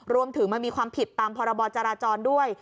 รวมถึงมันมีความผิดตามพรบจราจรด้วย